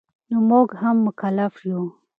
نو مونږ هم مکلف یو